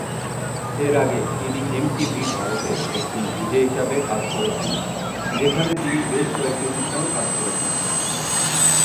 এর আগে, তিনি এমটিভি ভারতে একজন ভিজে হিসেবে কাজ করেছেন, যেখানে তিনি বেশ কয়েকটি অনুষ্ঠানে কাজ করেছেন।